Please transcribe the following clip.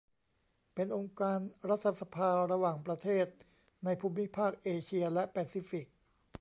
เป็นองค์การรัฐสภาระหว่างประเทศในภูมิภาคเอเชียและแปซิฟิก